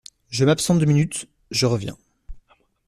Je m'absente deux minutes, je reviens.